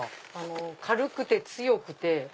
軽くて強くて。